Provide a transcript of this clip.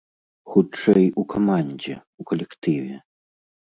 Хутчэй, у камандзе, у калектыве.